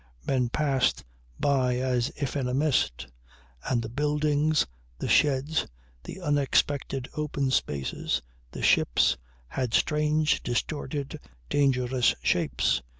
Men passed by as if in a mist; and the buildings, the sheds, the unexpected open spaces, the ships, had strange, distorted, dangerous shapes.